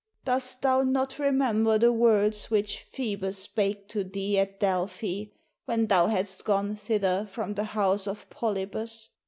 Dost thou not remember the words which Phcebus spake to thee at Delphi, when thou hadst gone thither from the house of Polybus?"